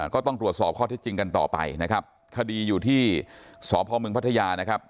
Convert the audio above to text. ก็ต้องตรวจสอบข้อเท็จจริงกันต่อไปนะครับคดีอยู่ที่สพมพัทยานะครับ